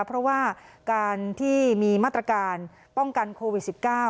เพราะว่าการที่มีมาตรการป้องกันโควิด๑๙